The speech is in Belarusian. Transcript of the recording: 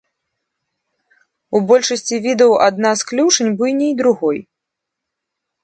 У большасці відаў адна з клюшань буйней другой.